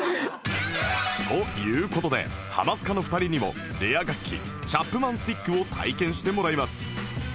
という事でハマスカの２人にもレア楽器チャップマン・スティックを体験してもらいます